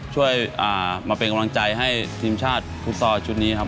ช่วยมาเป็นกำลังใจให้ทีมชาติฟุตซอลชุดนี้ครับ